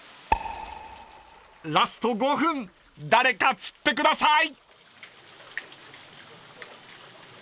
［ラスト５分誰か釣ってください］